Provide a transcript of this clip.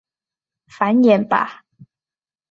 繁衍吧！